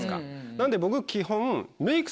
なんで僕基本。